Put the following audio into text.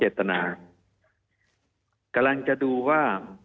มีความรู้สึกว่ามีความรู้สึกว่า